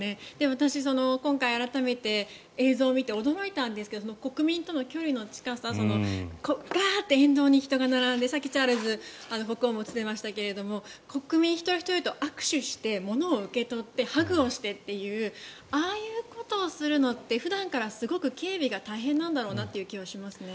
私、今回改めて映像を見て驚いたんですけど国民との距離の近さガーッて沿道に人が並んでさっきチャールズ国王も映ってましたが国民一人ひとりと握手して物を受け取ってハグをしてっていうああいうことをするのって普段からすごく警備が大変なんだろうなという気がしますね。